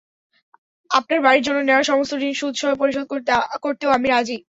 আপনার বাড়ির জন্য নেওয়া সমস্ত ঋণ সুদ সহ পরিশোধ করতেও আমি রাজি।